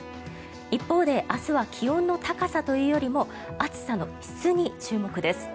一方で明日は気温の高さというよりも暑さの質に注目です。